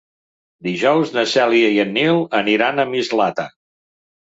Dijous na Cèlia i en Nil aniran a Mislata.